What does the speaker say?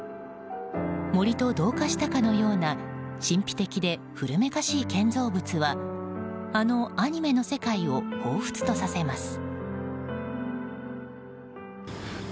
森と同化したかのような神秘的で古めかしい建造物はあのアニメの世界をほうふつとさせます。